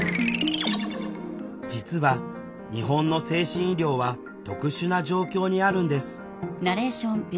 実は日本の精神医療は特殊な状況にあるんです。